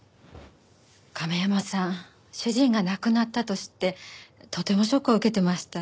亀山さん主人が亡くなったと知ってとてもショックを受けてました。